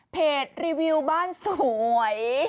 รีวิวบ้านสวย